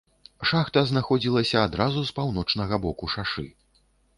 Шахта знаходзілася адразу з паўночнага боку шашы.